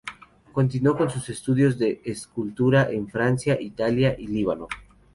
Continuó con sus estudios de escultura en Francia, Italia y Líbano.